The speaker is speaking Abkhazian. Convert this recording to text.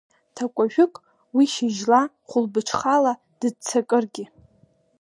Ҭакәажәык, уи шьыжьла, хәылбыҽхала, дыццакыргьы…